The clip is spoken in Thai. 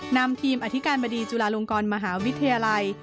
นำทีมอธิการบดีจุฬาลงกรมหาวิทยาลัย